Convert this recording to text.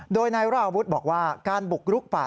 โดยนายราวุฒิบอกว่าการบุกรุกป่า